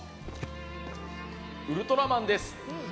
ウルトラマンです！